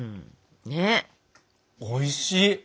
おいしい！